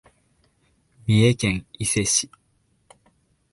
三重県伊勢市